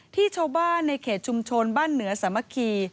ที่ชาวบ้านในเขตชุมชนบ้านเหนือสามัคคี